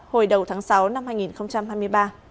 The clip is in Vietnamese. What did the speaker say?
hồi đầu tháng sáu năm hai nghìn hai mươi ba